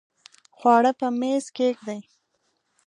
خواړه په میز کښېږدئ